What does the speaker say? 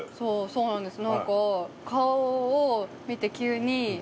そうなんです。